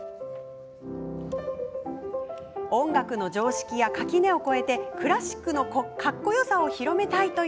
音楽の常識や垣根を越えてクラシックのかっこよさを広めたい。